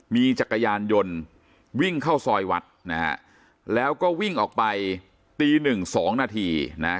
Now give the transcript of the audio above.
มีจักรยานยนต์วิ่งเข้าซอยวัดนะฮะแล้วก็วิ่งออกไปตีหนึ่งสองนาทีนะฮะ